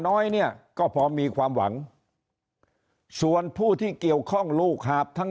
น้อยเนี่ยก็พอมีความหวังส่วนผู้ที่เกี่ยวข้องลูกหาบทั้ง